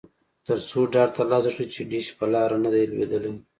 ترڅو ډاډ ترلاسه کړي چې ډیش په لاره نه دی لویدلی